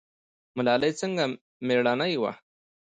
ملالۍ څنګه میړنۍ وه؟